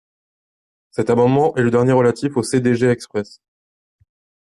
Cet amendement est le dernier relatif au CDG Express.